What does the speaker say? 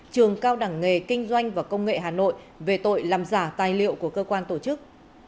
trường cao đẳng nghề kinh doanh và công nghệ hà nội về tội làm giả tài liệu của cơ quan tổ chức